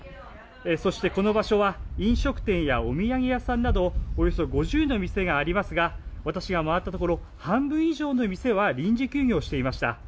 そしてこの場所は、飲食店やお土産屋さんなど、およそ５０の店がありますが、私が回ったところ、半分以上の店は臨時休業していました。